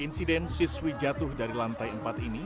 insiden siswi jatuh dari lantai empat ini